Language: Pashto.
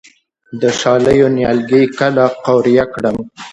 د شالیو نیالګي کله قوریه کړم؟